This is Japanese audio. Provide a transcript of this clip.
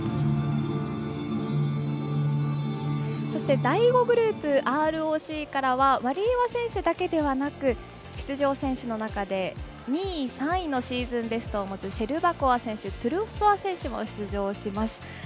そして、第５グループＲＯＣからはワリエワ選手だけではなく出場選手の中で２位、３位のシーズンベストを持つシェルバコワ選手トゥルソワ選手も出場します。